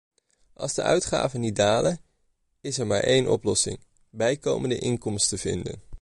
Als de uitgaven niet dalen, is er maar één oplossing: bijkomende inkomsten vinden.